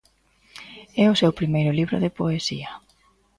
É o seu primeiro libro de poesía.